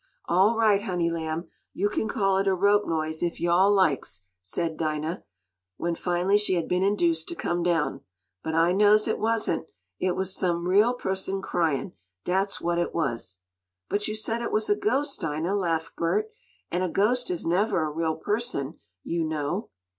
"All right, honey lamb. Yo' can call it a rope noise ef yo' all laiks," said Dinah, when finally she had been induced to come down. "But I knows it wasn't. It was some real pusson cryin', dat's what it was." "But you said it was a ghost, Dinah!" laughed Bert, "and a ghost is never a real person, you know.